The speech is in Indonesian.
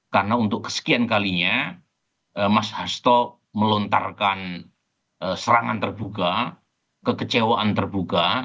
karena untuk kesekian kalinya mas hasto melontarkan serangan terbuka kekecewaan terbuka